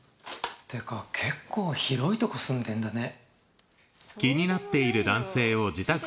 っていうか結構広いとこ住んでんだね。